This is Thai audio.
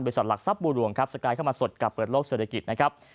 บริษัทหลักทรัพย์บูรวงสกายเข้ามาสดกับเปิดโลกเศรษฐกิจนะครับ